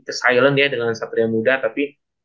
kesilin ya dengan satria muda tapi